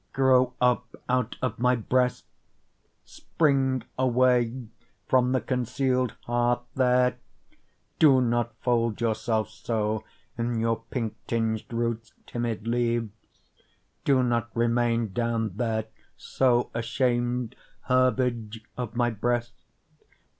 grow up out of my breast! Spring away from the conceal'd heart there! Do not fold yourself so in your pink tinged roots timid leaves! Do not remain down there so ashamed, herbage of my breast!